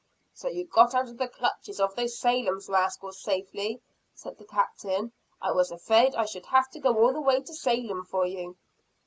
"So you got out of the clutches of those Salem rascals safely?" said the Captain. "I was afraid I should have to go all the way to Salem for you."